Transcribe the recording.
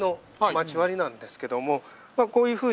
こういうふうに。